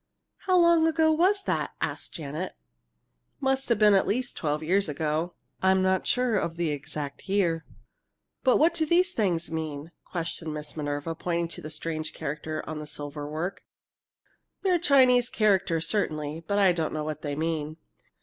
"How long ago was that?" asked Janet. "Must have been at least twelve years ago. I'm not sure of the exact year." "But what do these things mean?" questioned Miss Minerva, pointing to the strange characters in the silver work. "They're Chinese characters, certainly, but I don't know what they mean.